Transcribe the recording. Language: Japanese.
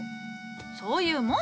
そういうもんじゃ。